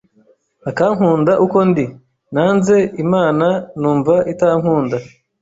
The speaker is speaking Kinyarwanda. akankunda uko ndi. Nanze Imana, numva itankunda.